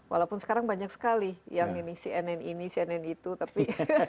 walaupun sekarang banyak sekali yang ini cnn ini cnn itu tapi